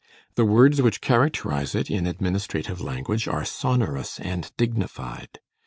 The words which characterize it in administrative language are sonorous and dignified.